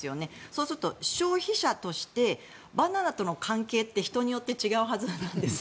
そうすると、消費者としてバナナとの関係って人によって違うはずなんです。